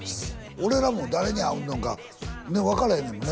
俺らも誰に会うんのんか分からへんねんもんね